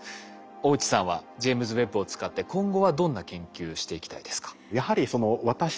大内さんはジェイムズ・ウェッブを使って今後はどんな研究していきたいですか？